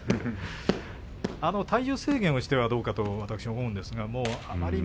体重制限をしてはどうかと私は思うんですが。